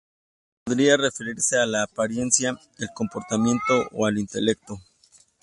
Podría referirse a la apariencia, el comportamiento o al intelecto.